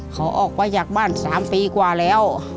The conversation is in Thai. เขาออกไปจากบ้าน๓ปีกว่าแล้ว